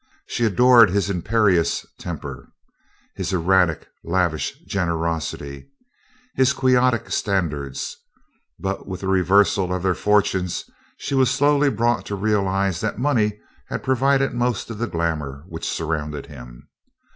She adored his imperious temper, his erratic lavish generosity, his Quixotic standards, but with the reversal of their fortunes she was slowly brought to realize that money had provided most of the glamor which surrounded him.